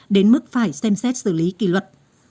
đến mức phải xem xét xử lý kỷ luật